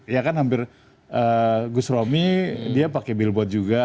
ya kan hampir gus romi dia pakai billboard juga